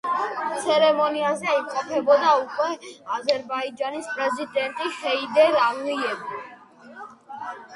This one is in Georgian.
ცერემონიაზე იმყოფებოდა უკვე აზერბაიჯანის პრეზიდენტი ჰეიდარ ალიევი.